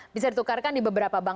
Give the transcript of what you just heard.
bisa ditukarkan di beberapa bank